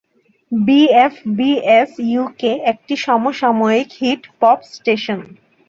BFBS UK একটি সমসাময়িক hit 'pop' station.